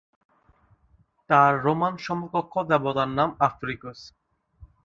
তার রোমান সমকক্ষ দেবতার নাম আফ্রিকুস।